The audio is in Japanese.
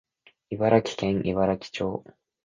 茨城県茨城町